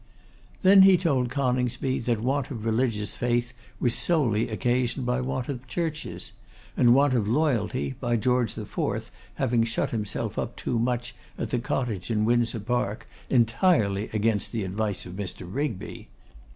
Then he told Coningsby that want of religious Faith was solely occasioned by want of churches; and want of Loyalty, by George IV. having shut himself up too much at the cottage in Windsor Park, entirely against the advice of Mr. Rigby.